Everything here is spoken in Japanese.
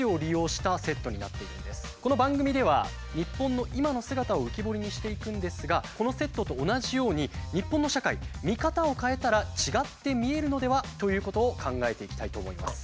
この番組では日本の今の姿を浮き彫りにしていくんですがこのセットと同じように日本の社会見方を変えたら違って見えるのでは？ということを考えていきたいと思います。